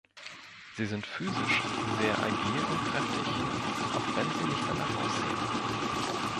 Sie sind physisch sehr agil und kräftig, auch wenn sie nicht danach aussehen.